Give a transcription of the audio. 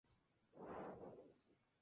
Linda se une ayudarles a encontrar a Sarah.